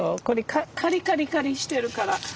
これカリカリカリしてるから。